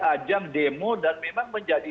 ajang demo dan memang menjadi